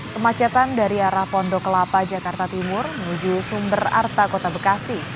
kemacetan dari arah pondok kelapa jakarta timur menuju sumber arta kota bekasi